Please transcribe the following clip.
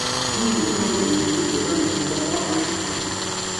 民主社会主义及民主政党得到八成选票。